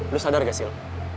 lo sadar gak sil